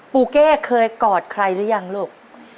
ปูเก้เคยกอดใครหรือยังลูก